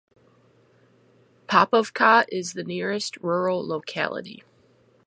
Popovka is the nearest rural locality.